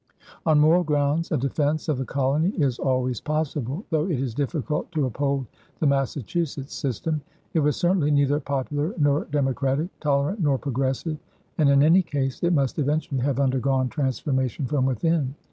On moral grounds a defence of the colony is always possible, though it is difficult to uphold the Massachusetts system. It was certainly neither popular nor democratic, tolerant nor progressive, and in any case it must eventually have undergone transformation from within.